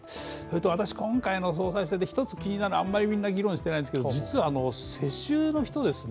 私、今回の総裁選で気になるのは、あまり議論していないんですが、実は、世襲の人ですね。